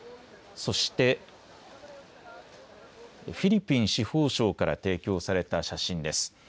そしてフィリピン司法省から提供された写真です。